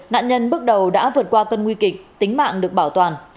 nạn nhân bước đầu đã vượt qua cơn nguy kịch tính mạng được bảo toàn